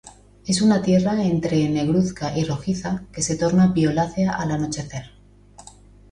Es una tierra entre negruzca y rojiza que se torna violácea al anochecer.